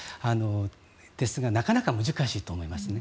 ですが、なかなか難しいと思いますね。